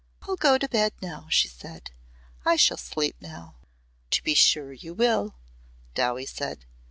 "I'll go to bed again," she said. "I shall sleep now." "To be sure you will," Dowie said.